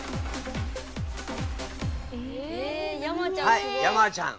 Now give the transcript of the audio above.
はい山ちゃん。